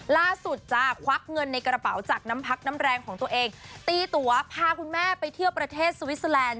ล่าสุดจะควักเงินในกระเป๋าจากน้ำพักน้ำแรงของตัวเองตีตัวพาคุณแม่ไปเที่ยวประเทศสวิสเตอร์แลนด